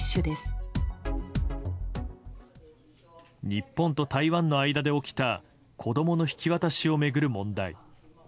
日本と台湾の間で起きた子供の引き渡しを巡る問題。